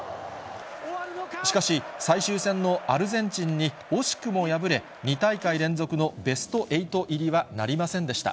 しかし最終戦のアルゼンチンに惜しくも敗れ、２大会連続のベスト８入りはなりませんでした。